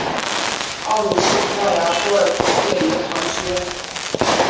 奥卢是葡萄牙波尔图区的一个堂区。